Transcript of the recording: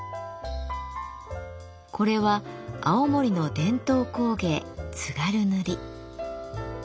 これは青森の伝統工芸